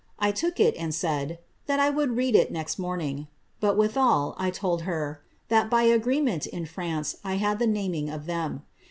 I took it, and Mid *that I would read it next rooming;* bot withal, I told her * timt, bj agreement in France, I had the naming of them.'